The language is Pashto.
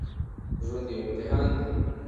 ژوند يو امتحان دی